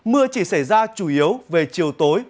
mưa chỉ xảy ra chủ yếu về chiều tối